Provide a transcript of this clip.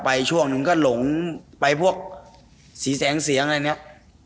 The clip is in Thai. ช่วงหนึ่งก็หลงไปพวกสีแสงเสียงอะไรเนี่ย